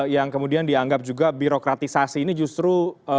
yang kemudian dianggap juga birokratisasi ini justru